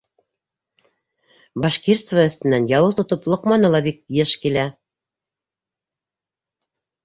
Башкирцева өҫтөнән ялыу тотоп Лоҡманы ла бит бик йыш килә.